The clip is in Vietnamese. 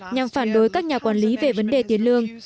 nhằm phản đối các nhà quản lý về vấn đề tiền lương